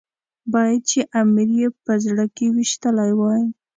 باید چې امیر یې په زړه کې ويشتلی وای.